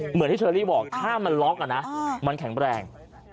เหมือนที่เชอรี่บอกถ้ามันล็อกมันแข็งแรง